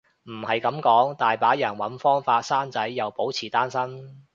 都唔係噉講，大把人搵方法生仔又保持單身